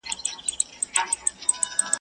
له رمباړو له زګېروي څخه سو ستړی.